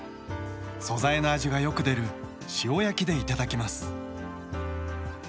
素材の味がよく出る塩焼きで頂きます。